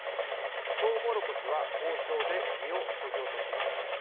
とうもろこしは包丁で実をそぎ落とします。